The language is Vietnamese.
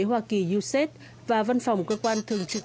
hoa kỳ uced và văn phòng cơ quan thường trực